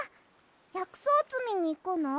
やくそうつみにいくの？